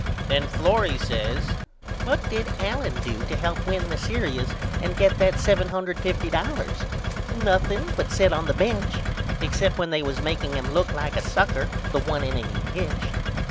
Then Florrie says What did Allen do to help win the serious and get that $750.00? Nothing but set on the bench except when they was makeing him look like a sucker the 1 inning he pitched.